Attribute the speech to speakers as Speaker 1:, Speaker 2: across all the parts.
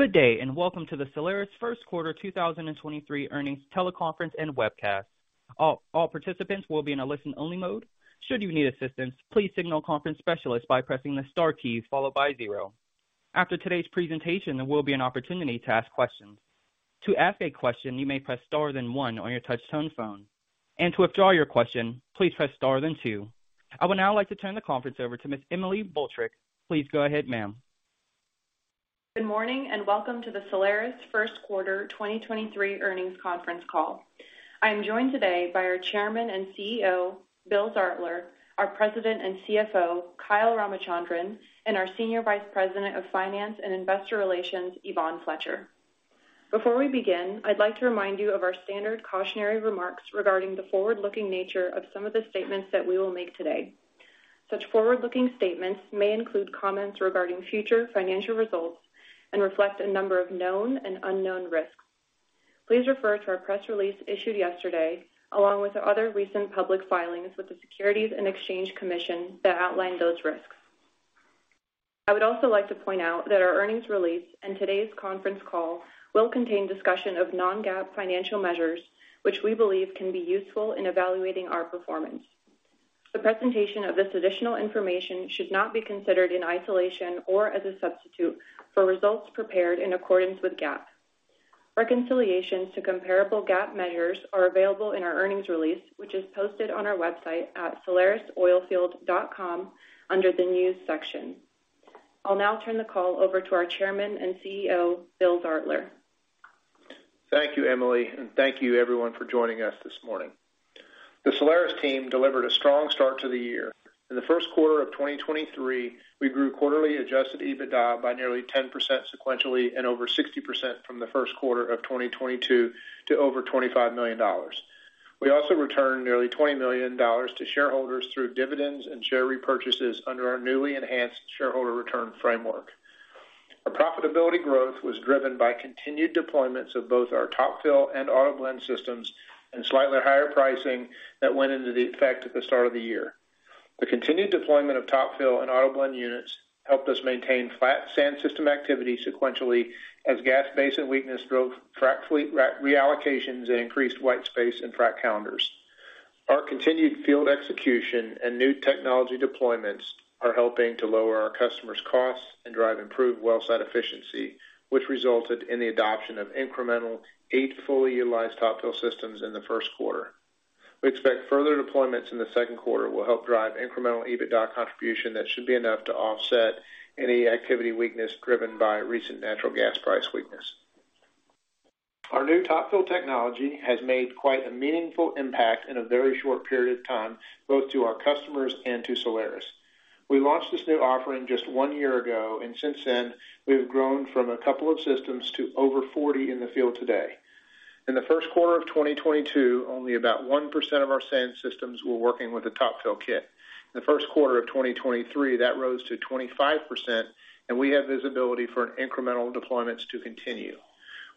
Speaker 1: Good day. Welcome to the Solaris first quarter 2023 earnings teleconference and webcast. All participants will be in a listen-only mode. Should you need assistance, please signal conference specialist by pressing the star key followed by 0. After today's presentation, there will be an opportunity to ask questions. To ask a question, you may press star then 1 on your touch-tone phone. To withdraw your question, please press star then 2. I would now like to turn the conference over to Ms. Emily Boltryk. Please go ahead, ma'am.
Speaker 2: Good morning, and welcome to the Solaris first quarter 2023 earnings conference call. I am joined today by our Chairman and CEO, Bill Zartler, our President and CFO, Kyle Ramachandran, and our Senior Vice President of Finance and Investor Relations, Yvonne Fletcher. Before we begin, I'd like to remind you of our standard cautionary remarks regarding the forward-looking nature of some of the statements that we will make today. Such forward-looking statements may include comments regarding future financial results and reflect a number of known and unknown risks. Please refer to our press release issued yesterday, along with our other recent public filings with the Securities and Exchange Commission that outline those risks. I would also like to point out that our earnings release and today's conference call will contain discussion of non-GAAP financial measures, which we believe can be useful in evaluating our performance. The presentation of this additional information should not be considered in isolation or as a substitute for results prepared in accordance with GAAP. Reconciliations to comparable GAAP measures are available in our earnings release, which is posted on our website at solarisoilfield.com under the News section. I'll now turn the call over to our Chairman and CEO, Bill Zartler.
Speaker 3: Thank you, Emily, and thank you everyone for joining us this morning. The Solaris team delivered a strong start to the year. In the first quarter of 2023, we grew quarterly Adjusted EBITDA by nearly 10% sequentially and over 60% from the first quarter of 2022 to over $25 million. We also returned nearly $20 million to shareholders through dividends and share repurchases under our newly enhanced shareholder return framework. Our profitability growth was driven by continued deployments of both our Top Fill and AutoBlend systems and slightly higher pricing that went into the effect at the start of the year. The continued deployment of Top Fill and AutoBlend units helped us maintain flat sand system activity sequentially as gas basin weakness drove frac fleet re-reallocations and increased white space in frac calendars. Our continued field execution and new technology deployments are helping to lower our customers' costs and drive improved well site efficiency, which resulted in the adoption of incremental 8 fully utilized Top Fill systems in the first quarter. We expect further deployments in the second quarter will help drive incremental EBITDA contribution that should be enough to offset any activity weakness driven by recent natural gas price weakness. Our new Top-Fill technology has made quite a meaningful impact in a very short period of time, both to our customers and to Solaris. Since then, we've grown from a couple of systems to over 40 in the field today. In the first quarter of 2022, only about 1% of our sand systems were working with a Top-Fill kit. In the first quarter of 2023, that rose to 25%, and we have visibility for incremental deployments to continue.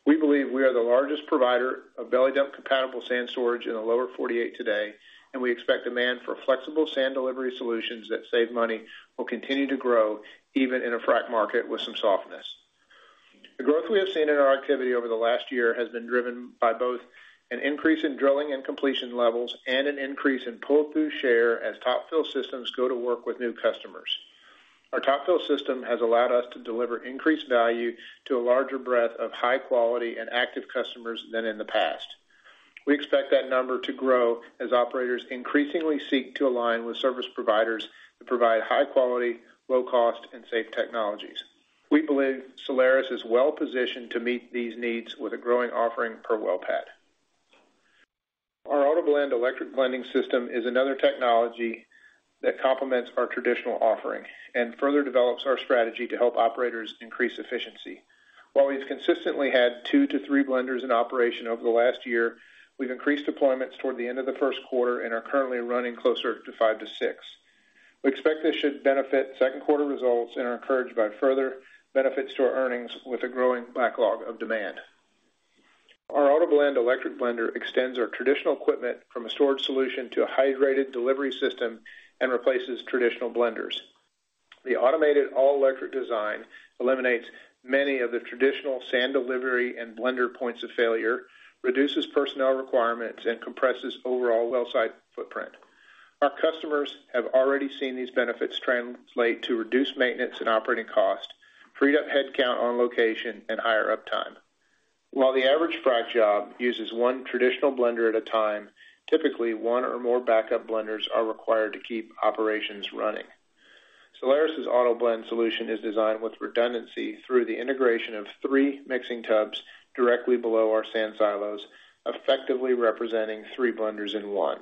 Speaker 3: We believe we are the largest provider of belly dump compatible sand storage in the lower 48 today, and we expect demand for flexible sand delivery solutions that save money will continue to grow even in a frac market with some softness. The growth we have seen in our activity over the last year has been driven by both an increase in drilling and completion levels and an increase in pull-through share as Top Fill systems go to work with new customers. Our Top Fill system has allowed us to deliver increased value to a larger breadth of high quality and active customers than in the past. We expect that number to grow as operators increasingly seek to align with service providers to provide high quality, low cost, and safe technologies. We believe Solaris is well positioned to meet these needs with a growing offering per well pad. Our AutoBlend electric blending system is another technology that complements our traditional offering and further develops our strategy to help operators increase efficiency. While we've consistently had 2-3 blenders in operation over the last year, we've increased deployments toward the end of the first quarter and are currently running closer to 5-6. We expect this should benefit second quarter results and are encouraged by further benefits to our earnings with a growing backlog of demand. Our AutoBlend electric blender extends our traditional equipment from a storage solution to a hydrated delivery system and replaces traditional blenders. The automated all-electric design eliminates many of the traditional sand delivery and blender points of failure, reduces personnel requirements, and compresses overall wellsite footprint. Our customers have already seen these benefits translate to reduced maintenance and operating costs, freed up headcount on location, and higher uptime. While the average frac job uses one traditional blender at a time, typically one or more backup blenders are required to keep operations running. Solaris' AutoBlend solution is designed with redundancy through the integration of three mixing tubs directly below our sand silos, effectively representing three blenders in one.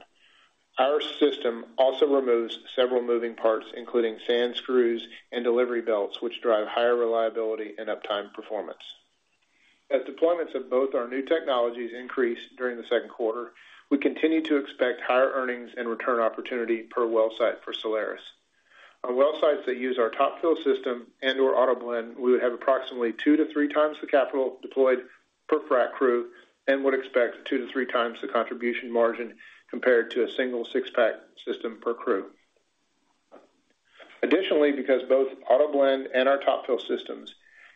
Speaker 3: Our system also removes several moving parts, including sand screws and delivery belts, which drive higher reliability and uptime performance. As deployments of both our new technologies increase during the second quarter, we continue to expect higher earnings and return opportunity per well site for Solaris. On well sites that use our Top Fill system and/or AutoBlend, we would have approximately two to three times the capital deployed per frac crew and would expect two to three times the contribution margin compared to a single 6-pack system per crew. Because both AutoBlend and our Top Fill systems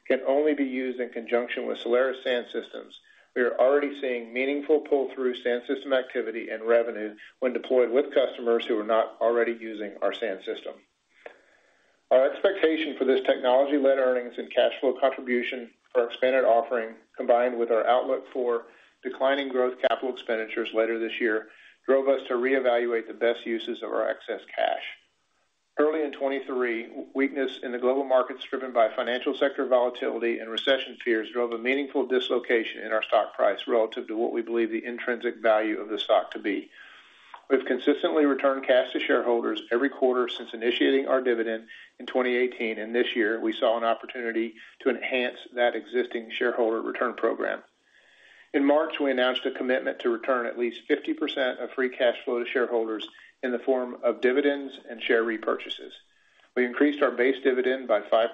Speaker 3: can only be used in conjunction with Solaris sand systems, we are already seeing meaningful pull-through sand system activity and revenue when deployed with customers who are not already using our sand system. Our expectation for this technology-led earnings and cash flow contribution for our expanded offering, combined with our outlook for declining growth capital expenditures later this year, drove us to reevaluate the best uses of our excess cash. Early in 2023, weakness in the global markets driven by financial sector volatility and recession fears drove a meaningful dislocation in our stock price relative to what we believe the intrinsic value of the stock to be. We've consistently returned cash to shareholders every quarter since initiating our dividend in 2018. This year we saw an opportunity to enhance that existing shareholder return program. In March, we announced a commitment to return at least 50% of free cash flow to shareholders in the form of dividends and share repurchases. We increased our base dividend by 5%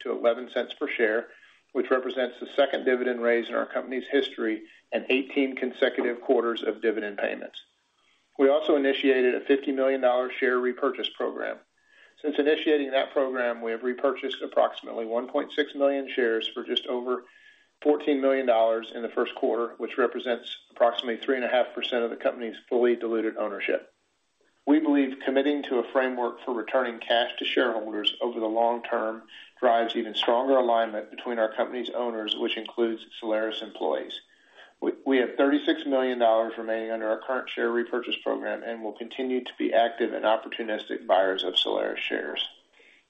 Speaker 3: to $0.11 per share, which represents the second dividend raise in our company's history and 18 consecutive quarters of dividend payments. We also initiated a $50 million share repurchase program. Since initiating that program, we have repurchased approximately 1.6 million shares for just over $14 million in the first quarter, which represents approximately 3.5% of the company's fully diluted ownership. We believe committing to a framework for returning cash to shareholders over the long term drives even stronger alignment between our company's owners, which includes Solaris employees. We have $36 million remaining under our current share repurchase program and will continue to be active and opportunistic buyers of Solaris shares.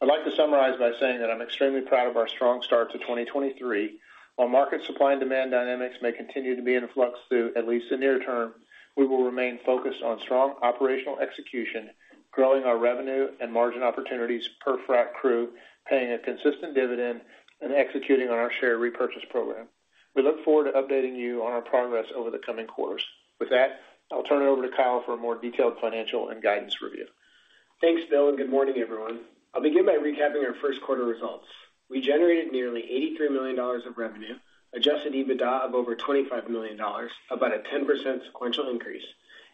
Speaker 3: I'd like to summarize by saying that I'm extremely proud of our strong start to 2023. While market supply and demand dynamics may continue to be in flux through at least the near term, we will remain focused on strong operational execution, growing our revenue and margin opportunities per frac crew, paying a consistent dividend, and executing on our share repurchase program. We look forward to updating you on our progress over the coming quarters. I'll turn it over to Kyle for a more detailed financial and guidance review.
Speaker 4: Thanks, Bill, and good morning, everyone. I'll begin by recapping our first quarter results. We generated nearly $83 million of revenue, Adjusted EBITDA of over $25 million, about a 10% sequential increase,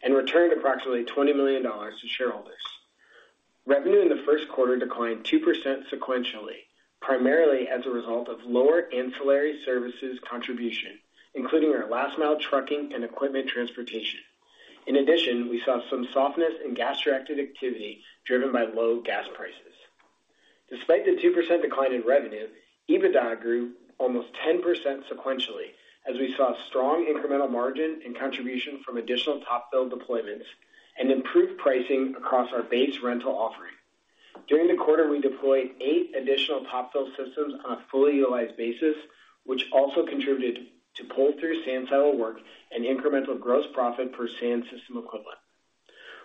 Speaker 4: and returned approximately $20 million to shareholders. Revenue in the first quarter declined 2% sequentially, primarily as a result of lower ancillary services contribution, including our last mile trucking and equipment transportation. In addition, we saw some softness in gas-directed activity driven by low gas prices. Despite the 2% decline in revenue, EBITDA grew almost 10% sequentially as we saw strong incremental margin and contribution from additional Top Fill deployments and improved pricing across our base rental offering. During the quarter, we deployed eight additional Top Fill systems on a fully utilized basis, which also contributed to pull through sand silo work and incremental gross profit per sand system equivalent.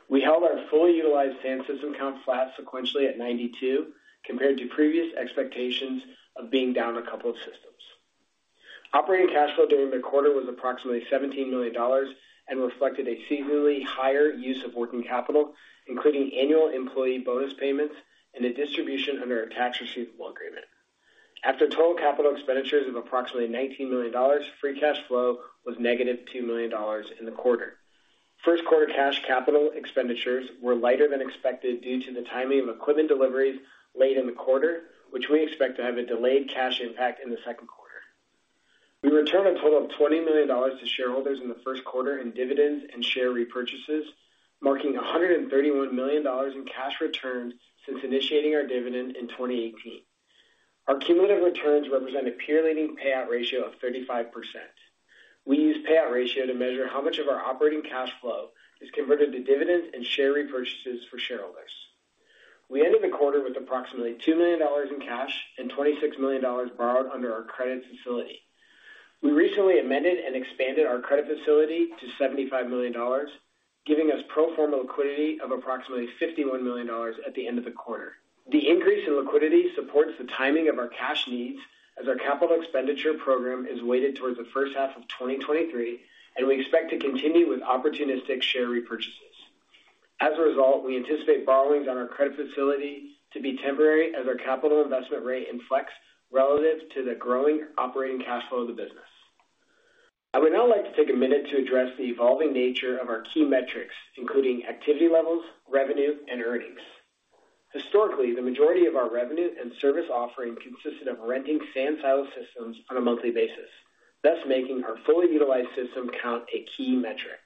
Speaker 4: We held our fully utilized sand system count flat sequentially at 92, compared to previous expectations of being down a couple of systems. Operating cash flow during the quarter was approximately $17 million and reflected a seasonally higher use of working capital, including annual employee bonus payments and a distribution under a Tax Receivable Agreement. After total capital expenditures of approximately $19 million, free cash flow was negative $2 million in the quarter. First quarter cash capital expenditures were lighter than expected due to the timing of equipment deliveries late in the quarter, which we expect to have a delayed cash impact in the second quarter. We returned a total of $20 million to shareholders in the first quarter in dividends and share repurchases, marking $131 million in cash returns since initiating our dividend in 2018. Our cumulative returns represent a peer-leading payout ratio of 35%. We use payout ratio to measure how much of our operating cash flow is converted to dividends and share repurchases for shareholders. We ended the quarter with approximately $2 million in cash and $26 million borrowed under our credit facility. We recently amended and expanded our credit facility to $75 million, giving us pro forma liquidity of approximately $51 million at the end of the quarter. The increase in liquidity supports the timing of our cash needs as our capital expenditure program is weighted towards the first half of 2023, and we expect to continue with opportunistic share repurchases. As a result, we anticipate borrowings on our credit facility to be temporary as our capital investment rate inflects relative to the growing operating cash flow of the business. I would now like to take a minute to address the evolving nature of our key metrics, including activity levels, revenue, and earnings. Historically, the majority of our revenue and service offering consisted of renting sand silo systems on a monthly basis, thus making our fully utilized system count a key metric.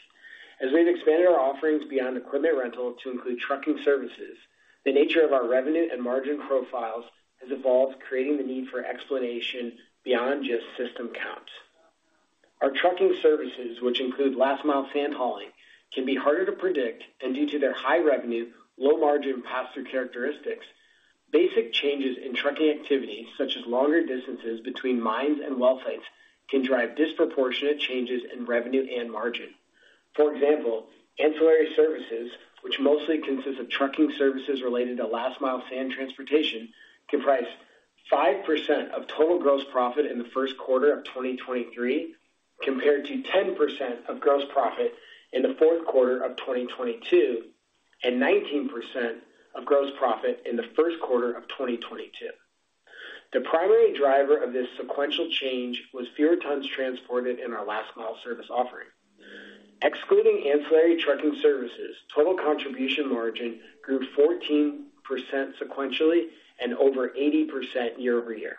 Speaker 4: As we've expanded our offerings beyond equipment rental to include trucking services, the nature of our revenue and margin profiles has evolved, creating the need for explanation beyond just system count. Our trucking services, which include last mile sand hauling, can be harder to predict, and due to their high revenue, low margin, pass-through characteristics. Basic changes in trucking activity, such as longer distances between mines and well sites, can drive disproportionate changes in revenue and margin. For example, ancillary services, which mostly consist of trucking services related to last mile sand transportation, comprised 5% of total gross profit in the first quarter of 2023, compared to 10% of gross profit in the fourth quarter of 2022 and 19% of gross profit in the first quarter of 2022. The primary driver of this sequential change was fewer tons transported in our last mile service offering. Excluding ancillary trucking services, total contribution margin grew 14% sequentially and over 80% year-over-year.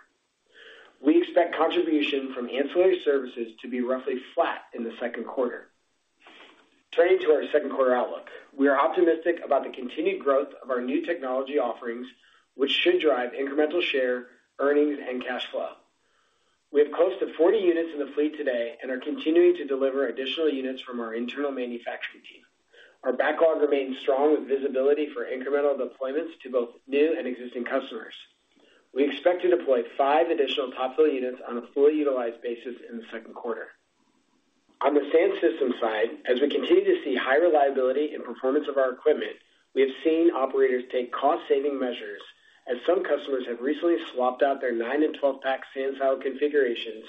Speaker 4: We expect contribution from ancillary services to be roughly flat in the second quarter. Turning to our second quarter outlook. We are optimistic about the continued growth of our new technology offerings, which should drive incremental share, earnings and cash flow. We have close to 40 units in the fleet today and are continuing to deliver additional units from our internal manufacturing team. Our backlog remains strong with visibility for incremental deployments to both new and existing customers. We expect to deploy five additional Top Fill units on a fully utilized basis in the second quarter. On the sand system side, as we continue to see high reliability and performance of our equipment, we have seen operators take cost saving measures as some customers have recently swapped out their 9 and 12-pack sand silo configurations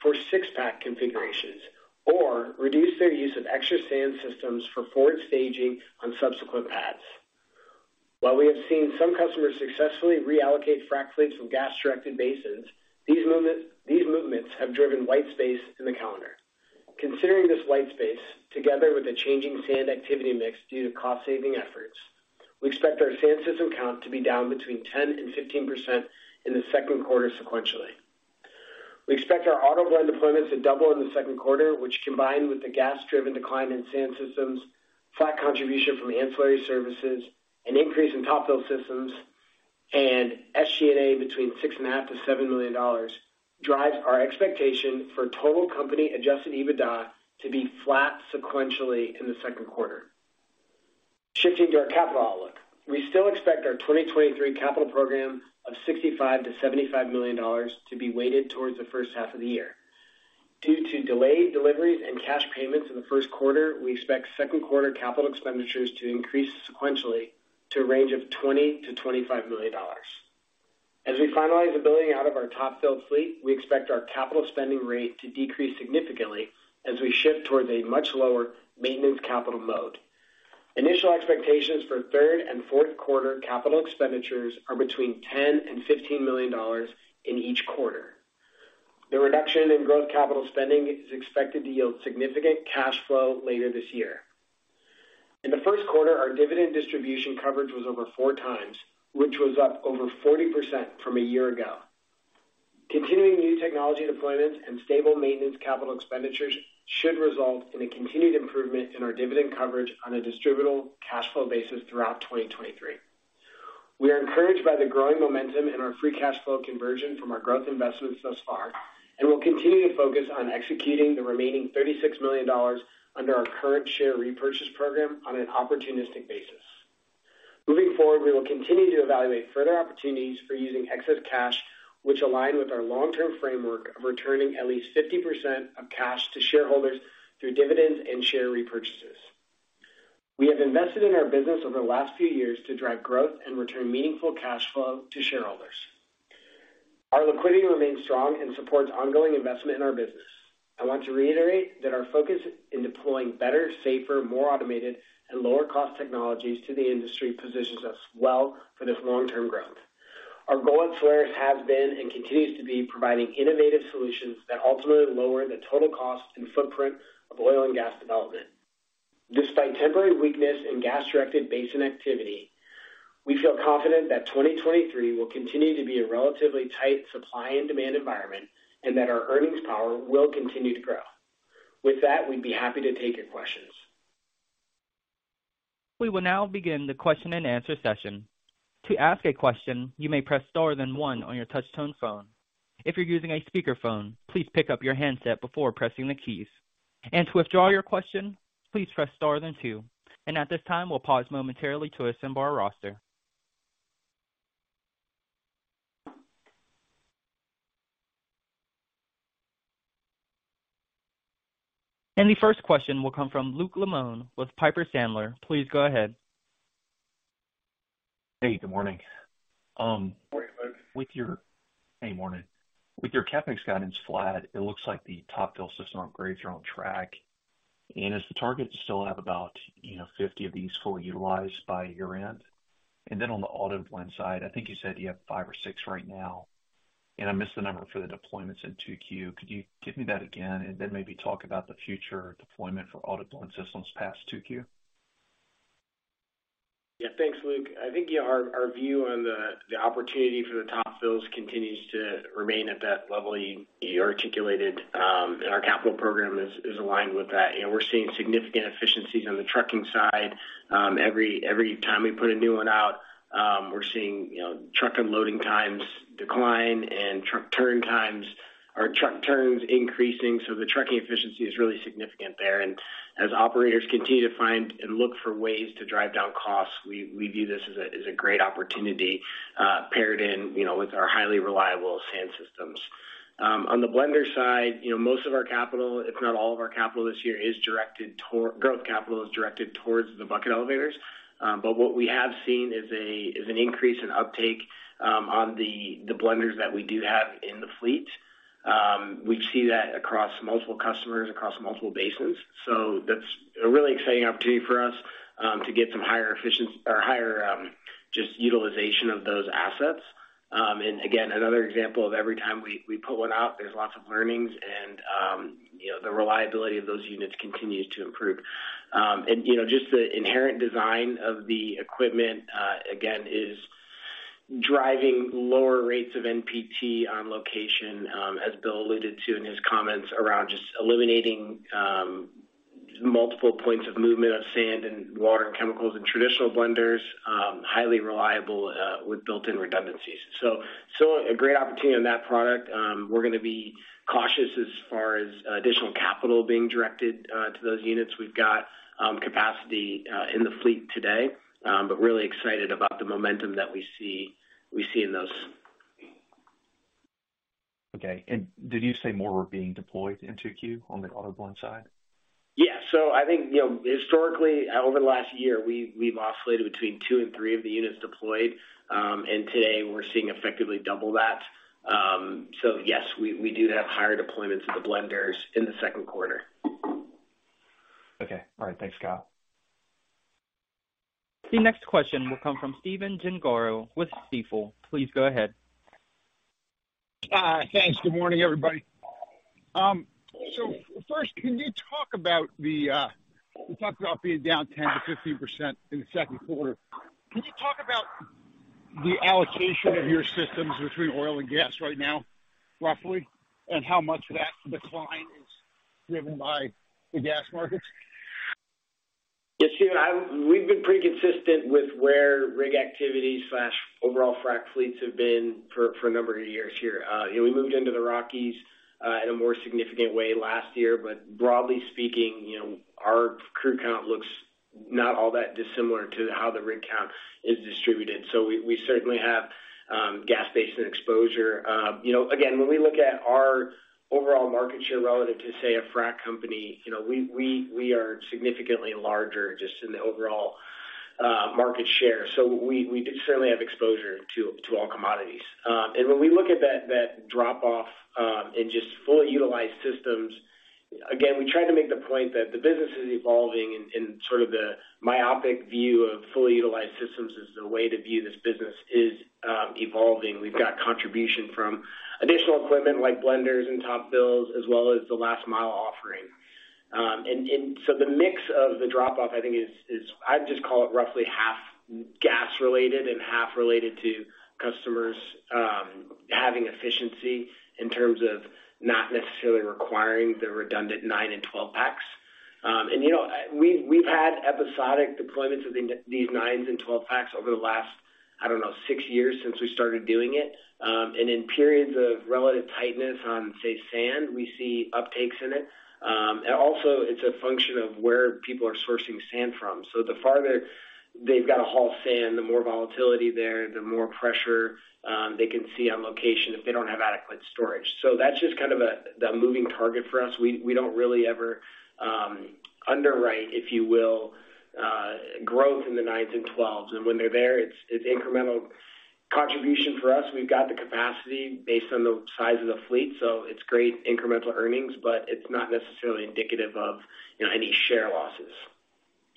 Speaker 4: for 6-pack configurations or reduce their use of extra sand systems for forward staging on subsequent pads. While we have seen some customers successfully reallocate frac fleets from gas directed basins, these movements have driven white space in the calendar. Considering this white space, together with a changing sand activity mix due to cost saving efforts, we expect our sand system count to be down between 10% and 15% in the second quarter sequentially. We expect our AutoBlend deployments to double in the second quarter, which combined with the gas driven decline in sand systems, flat contribution from ancillary services, an increase in Top Fill systems and SG&A between $6.5 million to $7 million drives our expectation for total company Adjusted EBITDA to be flat sequentially in the second quarter. Shifting to our capital outlook. We still expect our 2023 capital program of $65 million to $75 million to be weighted towards the first half of the year. Due to delayed deliveries and cash payments in the first quarter, we expect second quarter capital expenditures to increase sequentially to a range of $20 million-$25 million. As we finalize the billing out of our Top Fill fleet, we expect our capital spending rate to decrease significantly as we shift towards a much lower maintenance capital mode. Initial expectations for third and fourth quarter capital expenditures are between $10 million and $15 million in each quarter. The reduction in growth capital spending is expected to yield significant cash flow later this year. In the first quarter, our dividend distribution coverage was over 4 times, which was up over 40% from a year ago. Continuing new technology deployments and stable maintenance capital expenditures should result in a continued improvement in our dividend coverage on a distributable cash flow basis throughout 2023. We are encouraged by the growing momentum in our free cash flow conversion from our growth investments thus far, and we'll continue to focus on executing the remaining $36 million under our current share repurchase program on an opportunistic basis. Moving forward, we will continue to evaluate further opportunities for using excess cash, which align with our long-term framework of returning at least 50% of cash to shareholders through dividends and share repurchases. We have invested in our business over the last few years to drive growth and return meaningful cash flow to shareholders. Our liquidity remains strong and supports ongoing investment in our business. I want to reiterate that our focus in deploying better, safer, more automated and lower cost technologies to the industry positions us well for this long-term growth. Our goal at Solaris has been and continues to be providing innovative solutions that ultimately lower the total cost and footprint of oil and gas development. Despite temporary weakness in gas directed basin activity, we feel confident that 2023 will continue to be a relatively tight supply and demand environment and that our earnings power will continue to grow. With that, we'd be happy to take your questions.
Speaker 1: We will now begin the question and answer session. To ask a question, you may press star then one on your touch-tone phone. If you're using a speakerphone, please pick up your handset before pressing the keys. To withdraw your question, please press star then two. At this time, we'll pause momentarily to assemble our roster. The first question will come from Luke Lemoine with Piper Sandler. Please go ahead.
Speaker 5: Hey, good morning.
Speaker 4: Morning, Luke.
Speaker 5: Hey, morning. With your CapEx guidance flat, it looks like the Top Fill system upgrades are on track. Is the target to still have about, you know, 50 of these fully utilized by year end? Then on the AutoBlend side, I think you said you have five or six right now, and I missed the number for the deployments in 2Q. Could you give me that again and then maybe talk about the future deployment for AutoBlend systems past 2Q?
Speaker 4: Thanks, Luke. I think, our view on the opportunity for the Top Fills continues to remain at that level you articulated. Our capital program is aligned with that. You know, we're seeing significant efficiencies on the trucking side. Every time we put a new one out, we're seeing, you know, truck unloading times decline and truck turn times or truck turns increasing. The trucking efficiency is really significant there. As operators continue to find and look for ways to drive down costs, we view this as a great opportunity, paired in, you know, with our highly reliable sand systems. On the blender side, you know, most of our capital, if not all of our capital this year, growth capital is directed towards the bucket elevators. What we have seen is an increase in uptake on the blenders that we do have in the fleet. We see that across multiple customers, across multiple basins. That's a really exciting opportunity for us to get some higher efficiency or higher just utilization of those assets. Again, another example of every time we put one out, there's lots of learnings and, you know, the reliability of those units continues to improve. You know, just the inherent design of the equipment again is driving lower rates of NPT on location, as Bill alluded to in his comments around just eliminating multiple points of movement of sand and water and chemicals and traditional blenders, highly reliable with built-in redundancies. A great opportunity on that product. We're gonna be cautious as far as additional capital being directed to those units. We've got capacity in the fleet today. Really excited about the momentum that we see in those.
Speaker 5: Okay. Did you say more were being deployed in 2Q on the AutoBlend side?
Speaker 4: Yeah. I think, you know, historically, over the last year, we've oscillated between 2 and 3 of the units deployed. Today we're seeing effectively double that. Yes, we do have higher deployments of the blenders in the second quarter.
Speaker 5: Okay. All right. Thanks, Kyle.
Speaker 1: The next question will come from Stephen Gengaro with Stifel. Please go ahead.
Speaker 6: Thanks. Good morning, everybody. First, can you talk about the, you talked about being down 10%-15% in the second quarter. Can you talk about the allocation of your systems between oil and gas right now, roughly, and how much of that decline is driven by the gas markets?
Speaker 4: Yeah, Steve, we've been pretty consistent with where rig activity/overall frack fleets have been for a number of years here. You know, we moved into the Rockies in a more significant way last year, but broadly speaking, you know, our crew count looks not all that dissimilar to how the rig count is distributed. We certainly have gas station exposure. You know, again, when we look at our overall market share relative to, say, a frack company, you know, we are significantly larger just in the overall market share. We certainly have exposure to all commodities. When we look at that drop off, and just fully utilized systems, again, we try to make the point that the business is evolving and sort of the myopic view of fully utilized systems is the way to view this business is evolving. We've got contribution from additional equipment like blenders and Top Fill as well as the last mile offering. The mix of the drop off, I think I'd just call it roughly half gas related and half related to customers having efficiency in terms of not necessarily requiring the redundant nine and 12-packs. You know, we've had episodic deployments of these nine and 12-packs over the last, I don't know, 6 years since we started doing it. In periods of relative tightness on, say, sand, we see uptakes in it. Also it's a function of where people are sourcing sand from. The farther they've got to haul sand, the more volatility there, the more pressure, they can see on location if they don't have adequate storage. That's just kind of a, the moving target for us. We don't really ever, underwrite, if you will, growth in the nines and twelves. When they're there, it's incremental contribution for us. We've got the capacity based on the size of the fleet, so it's great incremental earnings, but it's not necessarily indicative of, you know, any share losses.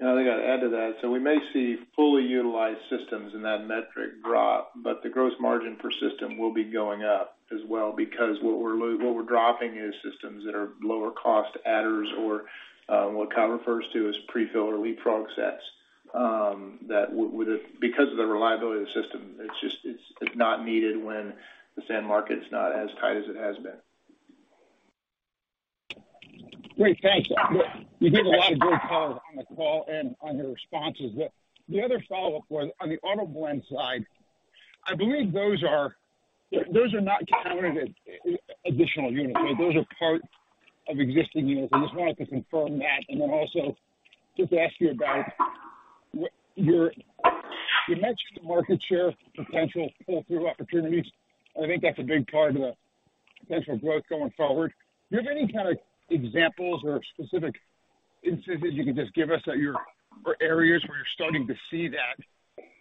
Speaker 3: I think I'd add to that. We may see fully utilized systems in that metric drop, but the gross margin per system will be going up as well because what we're dropping is systems that are lower cost adders or, what Kyle refers to as prefill or leapfrog sets, that would because of the reliability of the system, it's just, it's not needed when the sand market's not as tight as it has been.
Speaker 6: Great. Thanks. You gave a lot of great color on the call and on your responses. The other follow-up was on the AutoBlend side. I believe those are not counted as additional units. Those are part of existing units. I just wanted to confirm that and then also just ask you about what you mentioned market share potential pull through opportunities. I think that's a big part of the potential growth going forward. Do you have any kind of examples or specific instances you can just give us that you're or areas where you're starting to see that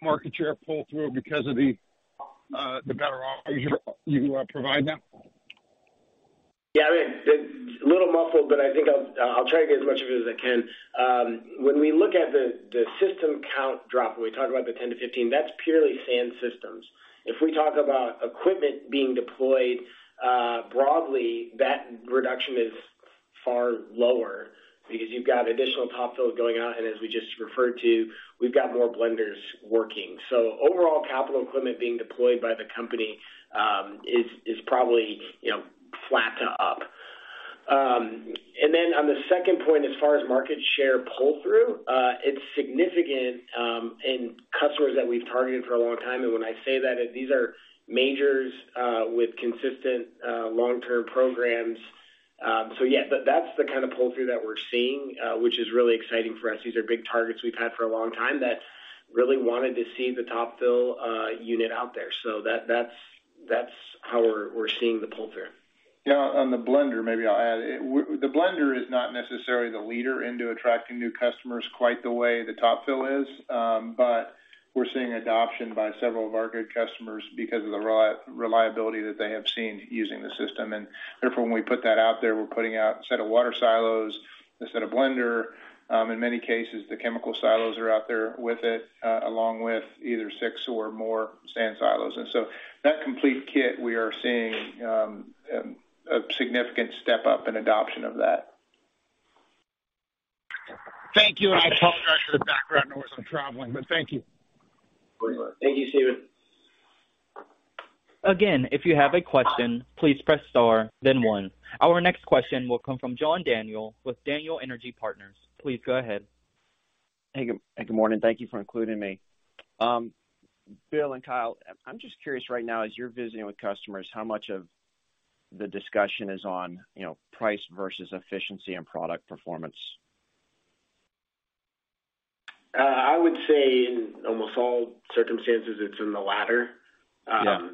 Speaker 6: market share pull through because of the better offerings you provide now?
Speaker 4: Yeah. I mean, it's a little muffled, but I think I'll try to get as much of it as I can. When we look at the system count drop, when we talk about the 10-15, that's purely sand systems. If we talk about equipment being deployed, broadly, that reduction is far lower because you've got additional Top Fills going out, and as we just referred to, we've got more blenders working. Overall capital equipment being deployed by the company, is probably, you know, flat to up. Then on the second point, as far as market share pull through, it's significant, in customers that we've targeted for a long time. When I say that, these are majors, with consistent, long-term programs. Yeah, that's the kind of pull through that we're seeing, which is really exciting for us. These are big targets we've had for a long time that really wanted to see the Top Fill unit out there. That's how we're seeing the pull through.
Speaker 3: Yeah, on the AutoBlend, maybe I'll add. The AutoBlend is not necessarily the leader into attracting new customers quite the way the Top Fill is. We're seeing adoption by several of our good customers because of the reliability that they have seen using the system. Therefore, when we put that out there, we're putting out a set of water silos, a set of AutoBlend. In many cases, the chemical silos are out there with it, along with either six or more sand silos. That complete kit, we are seeing a significant step up in adoption of that.
Speaker 6: Thank you, and I apologize for the background noise. I'm traveling, but thank you.
Speaker 3: Thank you, Stephen.
Speaker 1: Again, if you have a question, please press star then one. Our next question will come from John Daniel with Daniel Energy Partners. Please go ahead.
Speaker 7: Hey, good morning. Thank you for including me. Bill and Kyle, I'm just curious right now, as you're visiting with customers, how much of the discussion is on, you know, price versus efficiency and product performance?
Speaker 4: I would say in almost all circumstances, it's in the latter.
Speaker 7: Yeah.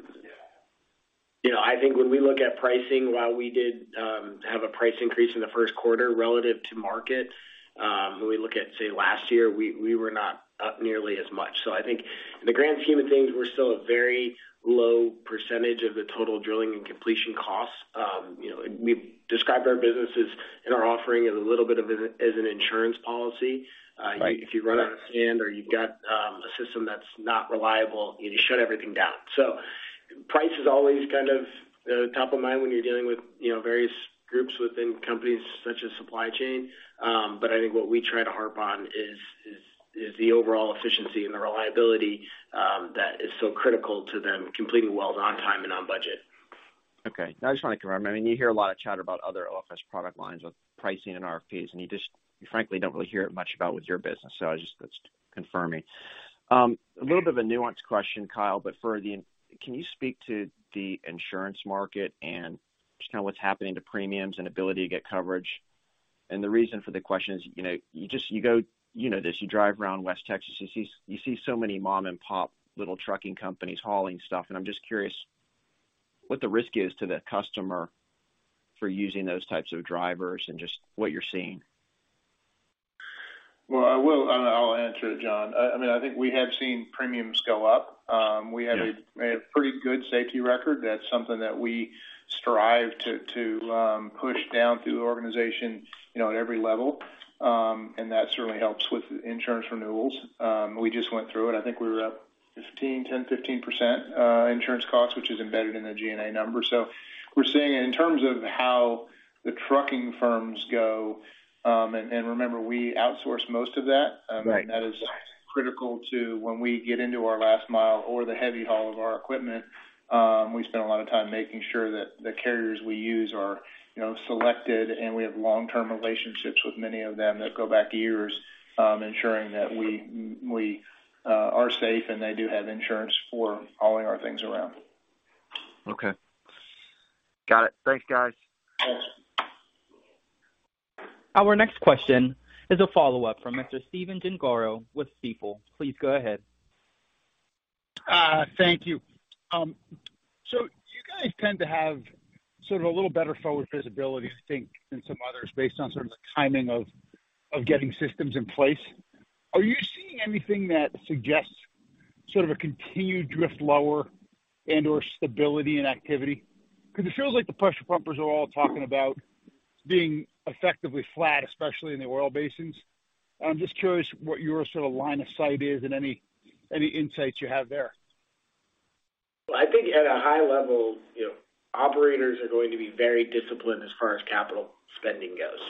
Speaker 4: You know, I think when we look at pricing, while we did, have a price increase in the first quarter relative to market, when we look at, say, last year, we were not up nearly as much. I think in the grand scheme of things, we're still a very low percentage of the total drilling and completion costs. You know, we've described our businesses and our offering as an insurance policy.
Speaker 7: Right.
Speaker 4: If you run out of sand or you've got a system that's not reliable, you need to shut everything down. Price is always kind of top of mind when you're dealing with, you know, various groups within companies such as supply chain. I think what we try to harp on is the overall efficiency and the reliability that is so critical to them completing wells on time and on budget.
Speaker 7: Okay. I just want to confirm. I mean, you hear a lot of chatter about other oilfield product lines with pricing and RFPs, and you just frankly don't really hear it much about with your business. That's confirming. A little bit of a nuanced question, Kyle, but can you speak to the insurance market and just kind of what's happening to premiums and ability to get coverage? The reason for the question is, you know, you just, you go, you know this, you drive around West Texas, you see so many mom-and-pop little trucking companies hauling stuff, and I'm just curious what the risk is to the customer for using those types of drivers and just what you're seeing.
Speaker 3: I'll answer it, John. I mean, I think we have seen premiums go up. We have a pretty good safety record. That's something that we strive to push down through the organization, you know, at every level. That certainly helps with insurance renewals. We just went through it. I think we were up 15, 10, 15% insurance costs, which is embedded in the G&A number. We're seeing it in terms of how the trucking firms go. Remember, we outsource most of that.
Speaker 7: Right.
Speaker 3: That is critical to when we get into our last mile or the heavy haul of our equipment, we spend a lot of time making sure that the carriers we use are, you know, selected, and we have long-term relationships with many of them that go back years, ensuring that we are safe and they do have insurance for hauling our things around.
Speaker 7: Okay. Got it. Thanks, guys.
Speaker 1: Our next question is a follow-up from Mr. Stephen Gengaro with Stifel. Please go ahead.
Speaker 6: Thank you. You guys tend to have sort of a little better forward visibility, I think, than some others based on sort of the timing of getting systems in place. Are you seeing anything that suggests sort of a continued drift lower and/or stability in activity? Because it feels like the pressure pumpers are all talking about being effectively flat, especially in the oil basins. I'm just curious what your sort of line of sight is and any insights you have there?
Speaker 4: I think at a high level, you know, operators are going to be very disciplined as far as capital spending goes.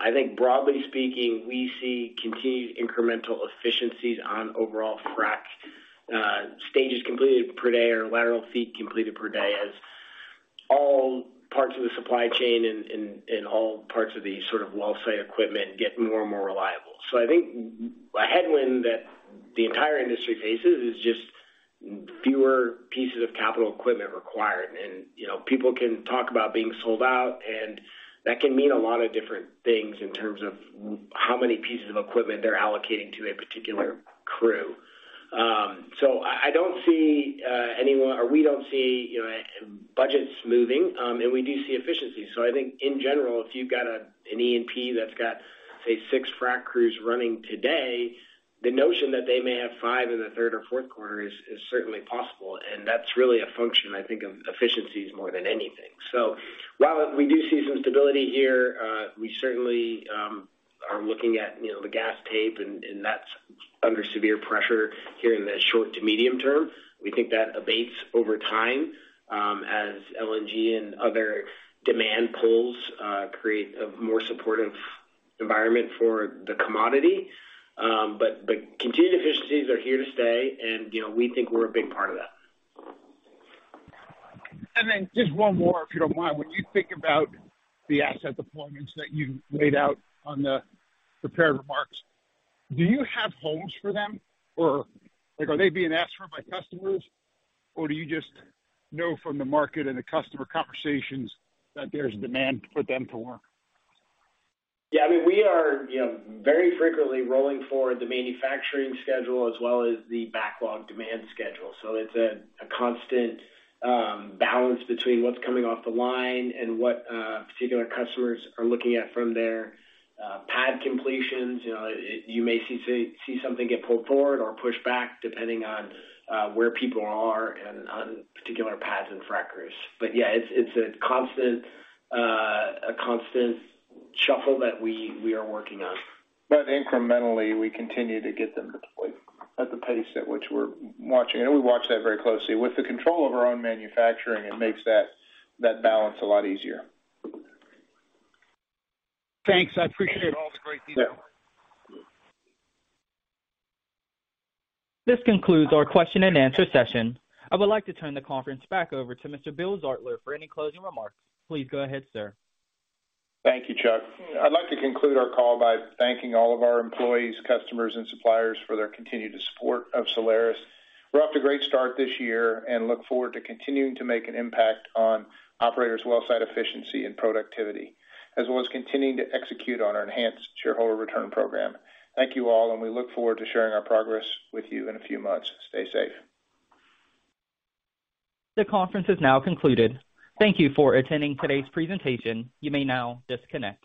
Speaker 4: I think broadly speaking, we see continued incremental efficiencies on overall frack stages completed per day or lateral feet completed per day as all parts of the supply chain and all parts of the sort of well site equipment get more and more reliable. I think a headwind that the entire industry faces is just fewer pieces of capital equipment required. You know, people can talk about being sold out, and that can mean a lot of different things in terms of how many pieces of equipment they're allocating to a particular crew. I don't see anyone, or we don't see, you know, budgets moving, and we do see efficiencies. I think in general, if you've got a, an E&P that's got, say, six frack crews running today, the notion that they may have five in the third or fourth quarter is certainly possible. That's really a function, I think, of efficiencies more than anything. While we do see some stability here, we certainly are looking at, you know, the gas tape, and that's under severe pressure here in the short to medium term. We think that abates over time, as LNG and other demand pools create a more supportive environment for the commodity. Continued efficiencies are here to stay and, you know, we think we're a big part of that.
Speaker 6: Just one more, if you don't mind. When you think about the asset deployments that you laid out on the prepared remarks, do you have homes for them? Or are they being asked for by customers? Or do you just know from the market and the customer conversations that there's demand for them to work?
Speaker 4: Yeah, I mean, we are, you know, very frequently rolling forward the manufacturing schedule as well as the backlog demand schedule. It's a constant balance between what's coming off the line and what particular customers are looking at from their pad completions. You know, you may see something get pulled forward or pushed back depending on where people are and on particular pads and frackers. Yeah, it's a constant shuffle that we are working on.
Speaker 3: Incrementally, we continue to get them deployed at the pace at which we're watching, and we watch that very closely. With the control of our own manufacturing, it makes that balance a lot easier.
Speaker 6: Thanks. I appreciate all the great detail.
Speaker 1: This concludes our question and answer session. I would like to turn the conference back over to Mr. Bill Zartler for any closing remarks. Please go ahead, sir.
Speaker 3: Thank you, Chuck. I'd like to conclude our call by thanking all of our employees, customers and suppliers for their continued support of Solaris. We're off to a great start this year and look forward to continuing to make an impact on operators' wellsite efficiency and productivity, as well as continuing to execute on our enhanced shareholder return program. Thank you all. We look forward to sharing our progress with you in a few months. Stay safe.
Speaker 1: The conference is now concluded. Thank you for attending today's presentation. You may now disconnect.